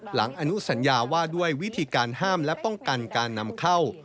อนุสัญญาว่าด้วยวิธีการห้ามและป้องกันการนำเข้า